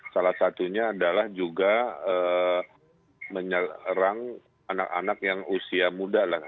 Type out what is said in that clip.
salah satunya adalah juga menyerang anak anak yang usia muda lah